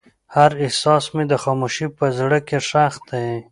هر احساس مې د خاموشۍ په زړه کې ښخ دی.